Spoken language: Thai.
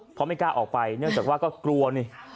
เพราะไม่กล้าออกไปเนื่องจากว่าก็กลัวนี่